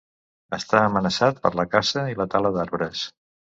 Està amenaçat per la caça i la tala d'arbres.